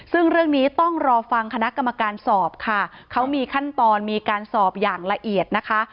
ซึ่งเรื่องนี้ต้องรอฟังคณะกรรมการสอบค่ะเขามีขั้นตอนมีการสอบอย่างละเอียดนะคะ